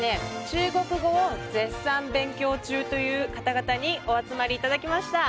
中国語を絶賛勉強中という方々にお集まり頂きました。